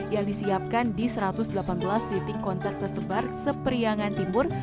yang disiapkan di satu ratus delapan belas titik konter tersebar seperiangan timur